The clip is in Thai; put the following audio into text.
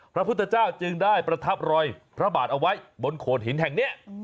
พระพุทธเจ้าจึงได้ประทับรอยพระบาทเอาไว้บนโขดหินแห่งนี้